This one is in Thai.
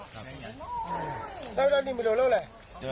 ดอเน็นดิมรู้เลย